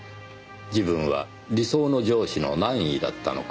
自分は理想の上司の何位だったのか。